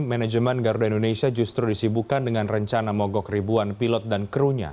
manajemen garuda indonesia justru disibukan dengan rencana mogok ribuan pilot dan krunya